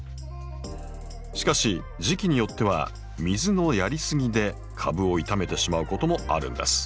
しかし時期によっては水のやりすぎで株を傷めてしまうこともあるんです。